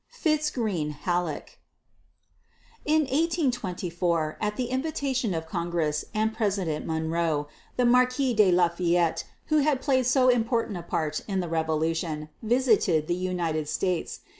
FITZ GREENE HALLECK. In 1824, at the invitation of Congress and President Monroe, the Marquis de Lafayette, who had played so important a part in the revolution, visited the United States.